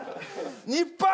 日本！